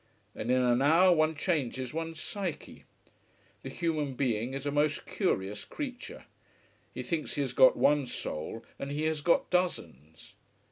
And in an hour one changes one's psyche. The human being is a most curious creature. He thinks he has got one soul, and he has got dozens.